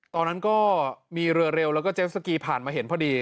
ตอนนั้นก็มีเรือเร็วแล้วก็เจสสกีผ่านมาเห็นพอดี